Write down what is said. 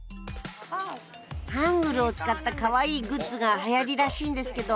ハングルを使ったかわいいグッズがはやりらしいんですけど